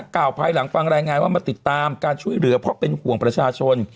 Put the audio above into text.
ภายหลังฟังรายงานว่ามาติดตามการช่วยเหลือเพราะเป็นห่วงประชาชน